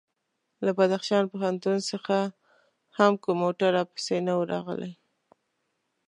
له بدخشان پوهنتون څخه هم کوم موټر راپسې نه و راغلی.